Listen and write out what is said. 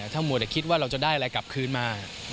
ถ้ามัวแต่คิดว่าเราจะได้อะไรกลับคืนมา